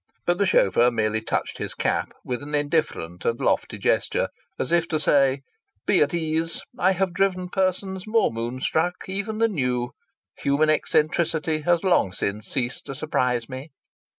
But the chauffeur merely touched his cap with an indifferent and lofty gesture, as if to say: "Be at ease. I have driven persons more moon struck even than you. Human eccentricity has long since ceased to surprise me."